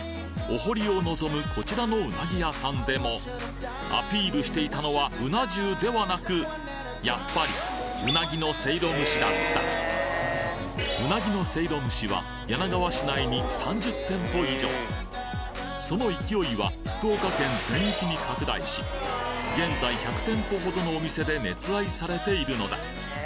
お堀を望むこちらのうなぎ屋さんでもアピールしていたのはうな重ではなくやっぱりうなぎのせいろ蒸しだったうなぎのせいろ蒸しはその勢いは福岡県全域に拡大し現在１００店舗ほどのお店で熱愛されているのだ